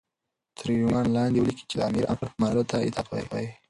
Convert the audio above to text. تر عنوان لاندې وليكه چې دآمر امر منلو ته اطاعت وايي